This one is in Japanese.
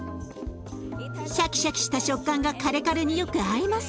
シャキシャキした食感がカレカレによく合います。